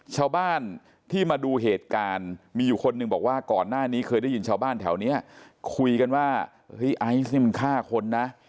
ชาวบ้านที่มาดูเหตุการณ์มีอยู่คนหนึ่งบอกว่าก่อนหน้านี้เคยได้ยินชาวบ้านแถวนี้คุยกันว่าเฮ้ยไอซ์นี่มันฆ่าคนนะ